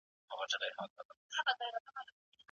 سړي په خپلې تېروتنې اعتراف وکړ خو وخت تېر و.